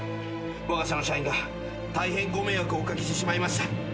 わが社の社員が大変ご迷惑をおかけしてしまいました。